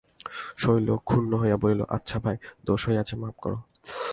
শৈল ক্ষুণ্ন হইয়া বলিল, আচ্ছা ভাই, দোষ হইয়াছে, মাপ করো।